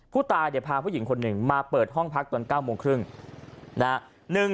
ผู้ตายเนี่ยพาผู้หญิงคนหนึ่งมาเปิดห้องพักตอน๙โมงครึ่งนะฮะ